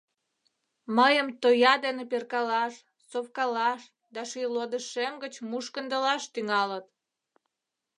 Мыйым тоя дене перкалаш, совкалаш да шӱйлодышем гыч мушкындылаш тӱҥалыт.